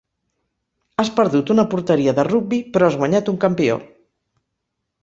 Has perdut una porteria de rugbi però has guanyat un campió.